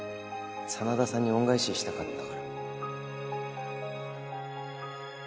真田さんに恩返ししたかったから。